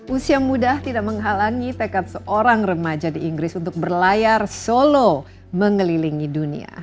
usia muda tidak menghalangi tekad seorang remaja di inggris untuk berlayar solo mengelilingi dunia